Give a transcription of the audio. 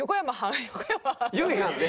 ゆいはんね。